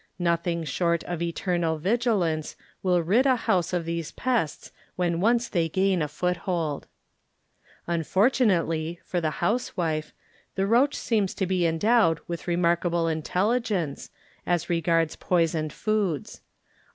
Nothing short of eternal vigilance will rid a house of these pests when once they gain a foothold. Unfortunately (for the house wife) the roach seems to be en dowed with remarkable intelligence 10 z; apartment for ten hours.